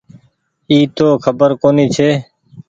اي تو کبر ڪونيٚ ڇي ۔